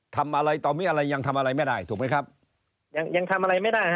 ทำอะไรต่อมีอะไรยังทำอะไรไม่ได้ถูกไหมครับยังยังทำอะไรไม่ได้ฮ